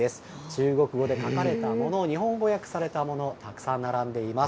中国語で書かれたもの、日本語訳されたもの、たくさん並んでいます。